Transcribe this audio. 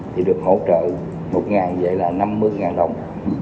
thì được hỗ trợ một ngày vậy là năm mươi ngàn đồng